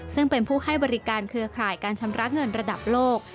ซึ่งเป็นผู้ให้บริการเครือข่ายการชำระเงินระดับโลก